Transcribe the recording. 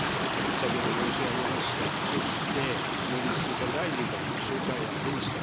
先ほど申し上げました、そして、農林水産大臣からも紹介がありました。